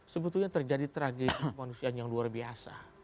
sebetulnya terjadi tragedi kemanusiaan yang luar biasa